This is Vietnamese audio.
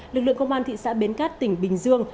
lực lượng công an thị xã bến cát tỉnh bình dương